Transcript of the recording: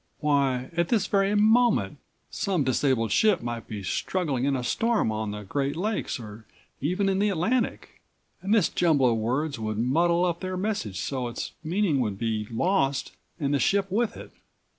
Why, at this very moment some disabled ship might be struggling in a storm on the Great Lakes or even on the Atlantic, and this jumble of words would muddle up their message so its meaning would be lost and the ship with it.